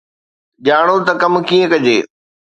ڄاڻو ته ڪم ڪيئن ڪجي